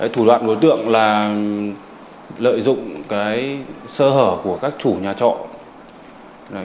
thủ đoạn của đối tượng là lợi dụng sơ hở của các chủ nhà trọ